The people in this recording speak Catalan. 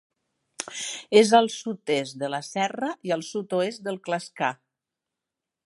És al sud-est de la Serra i al sud-oest del Clascar.